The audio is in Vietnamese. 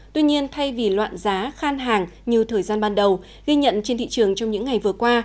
tuy nhiên thay vì loạn giá khan hàng như thời gian ban đầu ghi nhận trên thị trường trong những ngày vừa qua